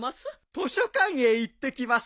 図書館へ行ってきます。